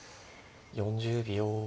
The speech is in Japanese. ４０秒。